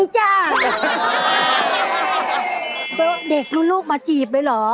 ก็เด็กลูกมาจีบดีหรอ